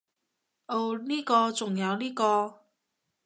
噢呢個，仲有呢個